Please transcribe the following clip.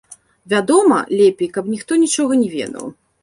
Вядома, лепей, каб ніхто нічога не ведаў.